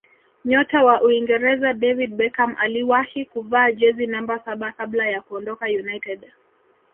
nyota wa uingereza david beckham aliwahi kuvaa jezi namba saba kabla ya kuondoka united